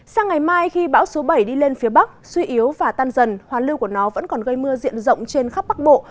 sang ngày mai khi bão số bảy đi lên phía bắc suy yếu và tan dần hoàn lưu của nó vẫn còn gây mưa diện rộng trên khắp bắc bộ